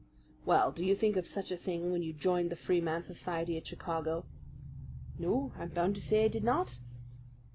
"Well, did you think of such a thing when you joined the Freeman's society at Chicago?" "No, I'm bound to say I did not."